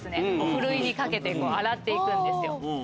ふるいにかけて洗って行くんです。